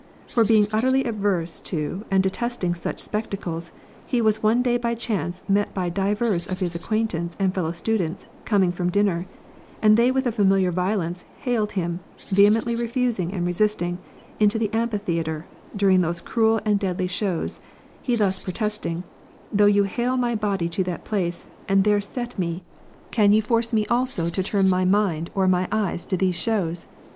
For being utterly averse to and detesting such spectacles, he was one day by chance met by divers of his acquaintance and fellow students coming from dinner, and they with a familiar violence haled him, vehemently refusing and resisting, into the Amphitheatre, during these cruel and deadly shows, he thus protesting ;" Though you hale my "body to that place, and there set me, can you force me 9G Alyp'ius betrayed by self confidence to love bloodshed. CONF. "also to tui;n my mind or my eyes to those shows